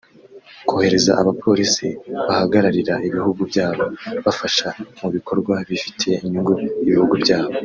kohereza abapolisi bahagararira ibihugu byabo bafasha mu bikorwa bifitiye inyungu ibihugu byabo